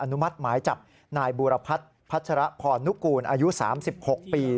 นุมัติหมายจับนายบูรพัฒน์พัชรพรนุกูลอายุ๓๖ปี